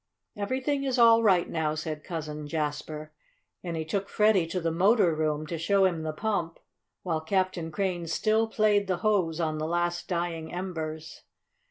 "Everything is all right now," said Cousin Jasper, and he took Freddie to the motor room to show him the pump, while Captain Crane still played the hose on the last dying embers.